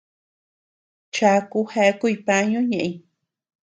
Chaku jeakuy pañu ñeʼeñ.